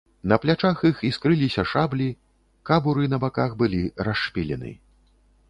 На плячах іх іскрыліся шаблі, кабуры на баках былі расшпілены.